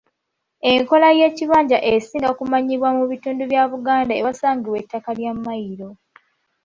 Enkola ey'ekibanja esinga kumanyibwa mu bitundu bya Buganda ewasangibwa ettaka erya Mailo.